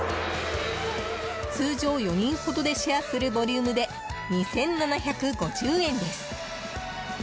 通常４人ほどでシェアするボリュームで、２７５０円です。